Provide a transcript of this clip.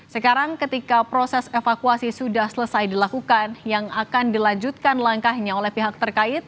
sekarang ketika proses evakuasi sudah selesai dilakukan yang akan dilanjutkan langkahnya oleh pihak terkait